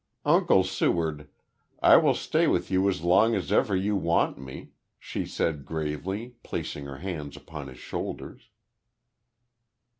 "Uncle Seward, I will stay with you as long as ever you want me," she said gravely, placing her hands upon his shoulders.